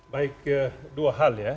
baik dua hal ya